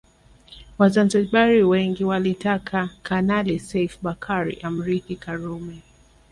Wazanzibari wengi walitaka Kanali Seif Bakari amrithi Karume